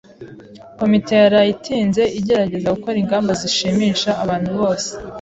Komite yaraye itinze igerageza gukora ingamba zishimisha abantu bose.